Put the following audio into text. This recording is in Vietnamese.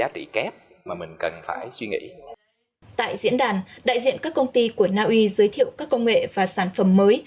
tại diễn đàn đại diện các công ty của naui giới thiệu các công nghệ và sản phẩm mới